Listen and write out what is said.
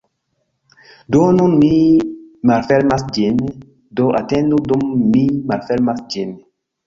Do nun mi malfermas ĝin, do atendu dum mi malfermas ĝin.